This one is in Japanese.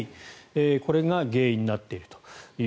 これが原因になっていると。